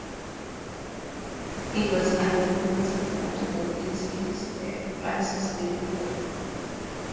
It was unanimously held that these pleas were unsustainable.